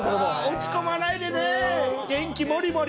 落ち込まないでね。